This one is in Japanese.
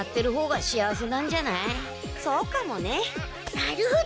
なるほど！